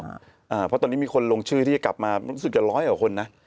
เพราะตอนนี้มีคนลงชื่อที่จะกลับมารู้สึกจะร้อยกว่าคนนะ